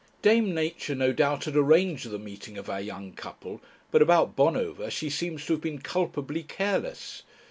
Dame Nature no doubt had arranged the meeting of our young couple, but about Bonover she seems to have been culpably careless.